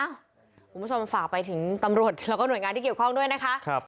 คุณผู้ชมฝากไปถึงตำรวจแล้วก็หน่วยงานที่เกี่ยวข้องด้วยนะคะ